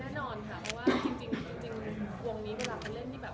แน่นอนค่ะเพราะว่าจริงวงนี้เวลามันเล่นที่แบบ